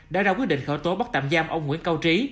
đã ra quyết định khởi tố bắt tạm giam ông nguyễn cao trí